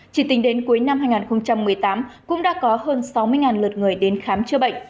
chỉ tính đến cuối năm hai nghìn một mươi tám cũng đã có hơn sáu mươi lượt người đến khám chữa bệnh